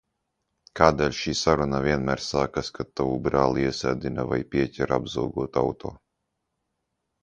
Kādēļ šī saruna vienmēr sākas, kad tavu brāli iesēdina vai pieķer apzogot auto?